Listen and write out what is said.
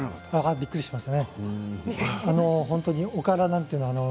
びっくりしました。